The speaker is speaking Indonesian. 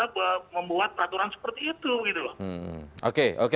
membuat peraturan seperti itu gitu loh